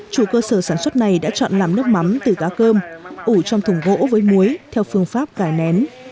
chủ cơ sở sản xuất này đã chọn làm nước mắm từ cá cơm ủ trong thùng gỗ với muối theo phương pháp cải nén